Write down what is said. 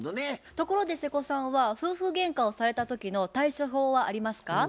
ところで瀬古さんは夫婦げんかをされた時の対処法はありますか？